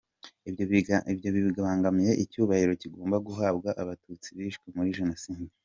Ibyo bibangamiye icyubahiro kigomba guhabwa Abatutsi bishwe muri Jenoside.